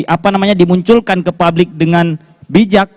apa namanya dimunculkan ke publik dengan bijak